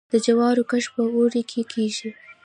د جوارو کښت په اوړي کې کیږي.